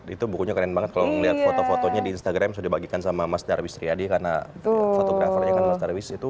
itu bukunya keren banget kalau melihat foto fotonya di instagram sudah dibagikan sama mas darwi sriadi karena fotografernya kan mas darwis itu